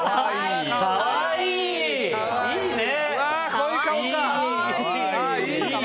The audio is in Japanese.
いいね！